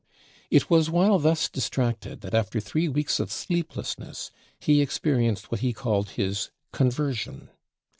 It was while thus distracted, that after three weeks of sleeplessness he experienced what he called his "conversion."